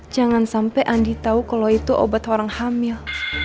jangan sampai andi tahu kalau itu obat orang hamil